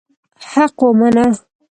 حق ومنه.